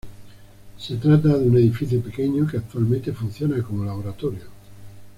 Se trata de un edificio pequeño que actualmente funciona como laboratorio.